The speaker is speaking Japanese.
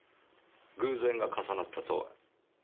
「偶然が重なった」とは？